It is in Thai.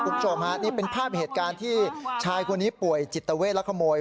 คุณผู้ชมฮะนี่เป็นภาพเหตุการณ์ที่ชายคนนี้ป่วยจิตเวทและขโมย